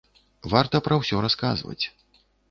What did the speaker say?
Варта пра ўсё расказваць.